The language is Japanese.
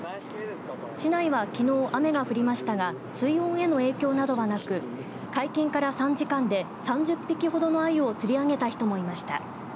市内はきのう雨が降りましたが水温への影響などはなく解禁から３時間で３０匹ほどのあゆを吊り上げた人もいました。